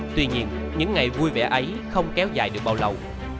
tuy nhiên những ngày vui vẻ ấy không kéo dài được bao lâu